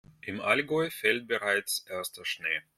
Im Allgäu fällt bereits erster Schnee.